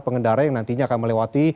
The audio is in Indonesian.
pengendara yang nantinya akan melewati